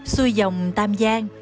xui dòng tàm giang